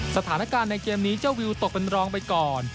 สถานการณ์ในเกมนี้เจ้าวิวตกเป็นรองไปก่อน